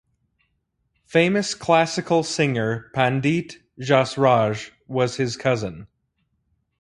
Famous classical singer Pandit Jasraj was his cousin.